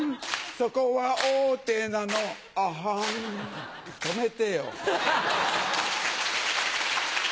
そこは王手なのあはん止めてよ。